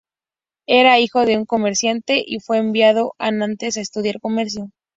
Era hijo de un comerciante, y fue enviado a Nantes a estudiar comercio.